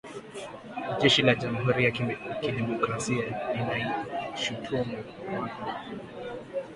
Jeshi la jamhuri ya kidemokrasia linaishutumu Rwanda